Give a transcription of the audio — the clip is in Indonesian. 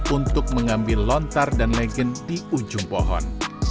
untuk mengambil lontar dan legend di ujung pohon